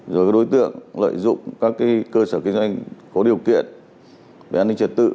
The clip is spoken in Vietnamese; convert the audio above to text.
rồi đối tượng lợi dụng các cơ sở kinh doanh có điều kiện về an ninh trật tự